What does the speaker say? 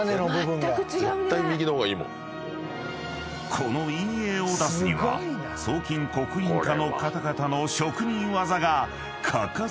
［この陰影を出すには装金極印課の方々の職人技が欠かせないのだ］